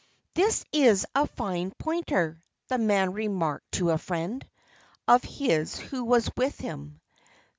"This is a fine pointer," the man remarked to a friend of his who was with him.